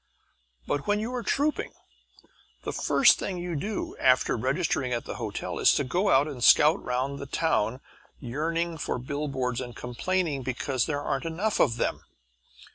But when you are trouping, the first thing you do, after registering at the hotel, is to go out and scout round the town yearning for billboards and complaining because there aren't enough of them.